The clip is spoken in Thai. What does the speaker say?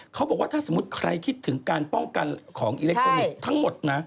เขาบอกว่าถ้าสมมุติใครคิดถึงการป้องกันของอิเล็กทรอนิกส์ทั้งหมดนะ